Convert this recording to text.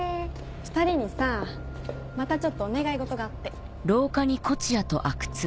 ２人にさぁまたちょっとお願いごとがあって。